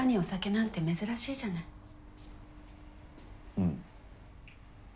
うん。